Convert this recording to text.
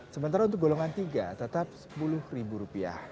sementara untuk golongan tiga tetap sepuluh rupiah